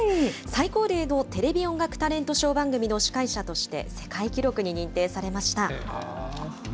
最高齢のテレビ音楽タレントショー番組の司会者として、世界記録に認定されました。